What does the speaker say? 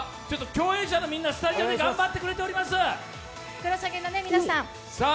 共演者の皆さん、スタジオで頑張ってくれております。